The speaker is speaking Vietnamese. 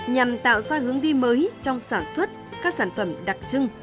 nhằm tạo ra hướng đi mới trong sản xuất các sản phẩm đặc trưng